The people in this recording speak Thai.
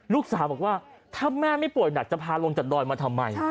ลูกสาวบอกว่าถ้าแม่ไม่ป่วยหนักจะพาลงจากดอยมาทำไม